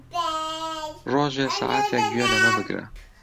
ڕۆژێ سەعاتێک گوێ لەمە بگرە.